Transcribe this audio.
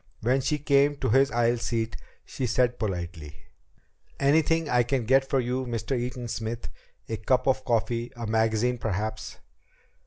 When she came to his aisle seat, she said politely: "Anything I can get for you, Mr. Eaton Smith? A cup of coffee? A magazine perhaps?"